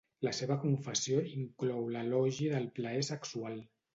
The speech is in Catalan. La seva confessió inclou l'elogi pel plaer sexual.